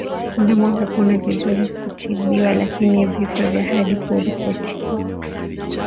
Ndama hupona vizuri wakitibiwa lakini vifo vya hadi huripotiwa